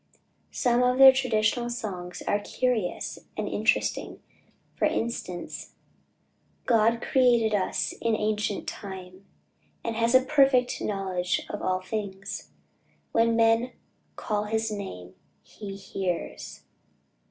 Some of their traditional songs are curious and interesting. For instance, "God created us in ancient time, And has a perfect knowledge of all things; When men call his name, he hears!"